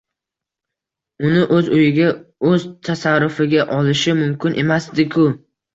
Uni o'z uyiga, o'z tasarrufiga olishi mumkin emasdi-ku?!